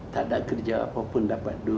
tidak ada kerja apa pun dapat duit